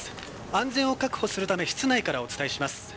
安全を確保するため室内からお伝えします。